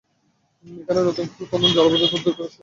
এখানে নতুন খাল খনন করে জলাবদ্ধতা দূর করার আশ্বাস দেন তিনি।